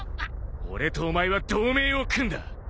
俺とお前は同盟を組んだ。